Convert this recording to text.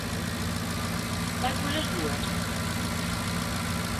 ¿Vai polas dúas?